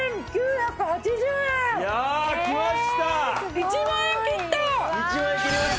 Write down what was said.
１万円切った！